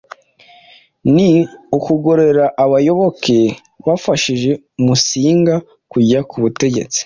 ni ukugororera abayoboke bafashije Musinga kujya ku butegetsi.